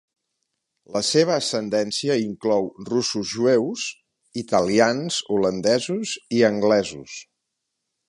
La seva ascendència inclou russos-jueus, italians, holandesos i anglesos.